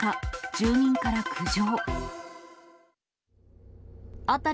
住民から苦情。